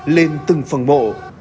lên từng phần mộ